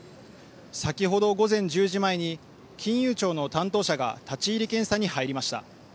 先ほど午前１０時前に金融庁の担当者が立ち入り検査に入りました。